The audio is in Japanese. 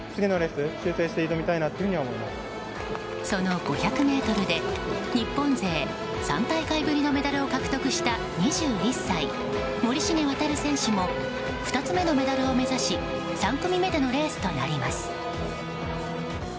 その５００ｍで日本勢３大会ぶりのメダルを獲得した２１歳森重航選手も２つ目のメダルを目指し３組目でのレースとなります。